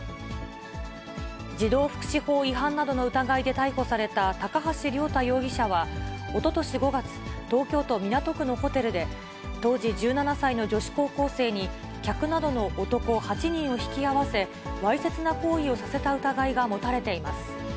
児童福祉法違反などの疑いで逮捕された高橋亮太容疑者は、おととし５月、東京都港区のホテルで、当時１７歳の女子高校生に、客などの男８人を引き合わせ、わいせつな行為をさせた疑いが持たれています。